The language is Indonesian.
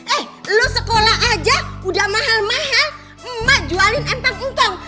eh lu sekolah aja udah mahal mahal mak jualin empang utang